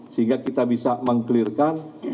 sehingga kita bisa meng clearkan